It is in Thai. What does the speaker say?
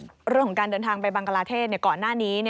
เรื่องของการเดินทางไปบังกลาเทศก่อนหน้านี้